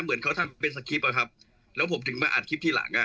เหมือนเขาทำเป็นสคริปตอะครับแล้วผมถึงมาอัดคลิปที่หลังอ่ะ